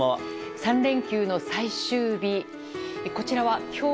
３連休の最終日。